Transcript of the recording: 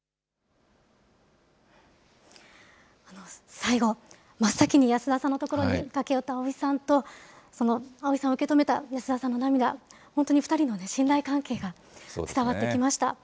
最後、真っ先に安田さんの所に駆け寄った葵さんと、その葵さんを受け止めた安田さんの涙、本当に２人の信頼関係が伝わってきました。